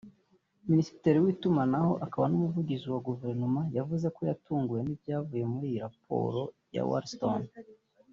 minisitiri w’itumanaho akaba n’umuvugizi wa guverinoma yavuze ko yatunguwe n’ibyavuye muri iyi raporo ya Wallström